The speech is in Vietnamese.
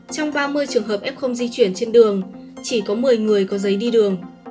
trong ba mươi trường hợp f di chuyển trên đường chỉ có một mươi người có giấy đi đường